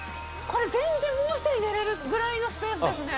これ、全然もう１人寝られるぐらいのスペースですね。